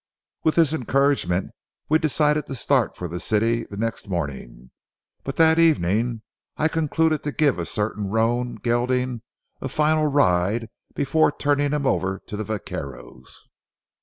With this encouragement, we decided to start for the city the next morning. But that evening I concluded to give a certain roan gelding a final ride before turning him over to the vaqueros.